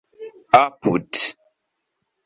apud